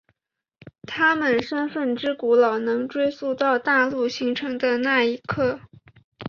他们身份之古老能追溯到大陆形成的那一刻。